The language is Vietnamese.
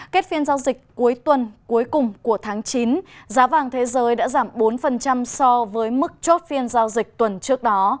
kết phiên giao dịch cuối tuần cuối cùng của tháng chín giá vàng thế giới đã giảm bốn so với mức chốt phiên giao dịch tuần trước đó